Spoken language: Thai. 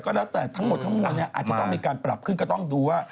ก็แล้วแต่ทั้งหมดทั้งมวลเนี่ยอาจจะต้องมีการปรับขึ้นก็ต้องดูว่า